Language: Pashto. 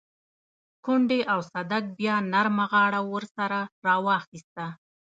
کونډې او صدک بيا نرمه غاړه ورسره راواخيسته.